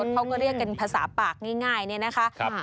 เขาก็เรียกกันภาษาปากง่ายเนี่ยนะคะ